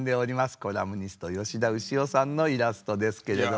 コラムニスト吉田潮さんのイラストですけれども。